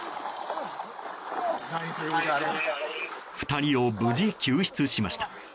２人を無事救出しました。